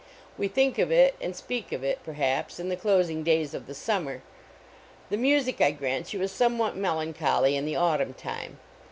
We think of it and speak of it, per haps, in the closing days of the summer. The music, I grant you, is somewhat melan choly in the autumn time.